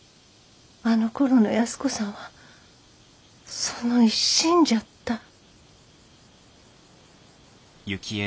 あのころの安子さんはその一心じゃった。